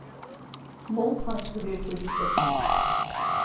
Bol saçlı bir çocuk başı.